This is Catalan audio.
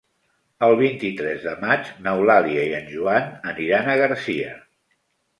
El vint-i-tres de maig n'Eulàlia i en Joan aniran a Garcia.